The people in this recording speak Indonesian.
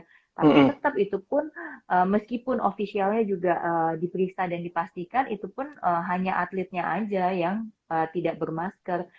tapi tetap itu pun meskipun ofisialnya juga diperiksa dan dipastikan itu pun hanya atletnya aja yang tidak bermasker